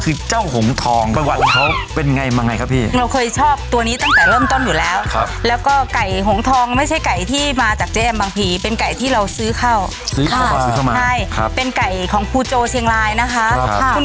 คือเจ้าหงทองประวัติเขาเป็นไงบ้างไงครับพี่เราเคยชอบตัวนี้ตั้งแต่เริ่มต้นอยู่แล้ว